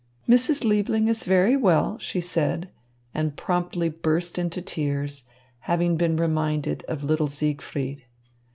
"Mrs. Liebling is very well," she said, and promptly burst into tears, having been reminded of little Siegfried.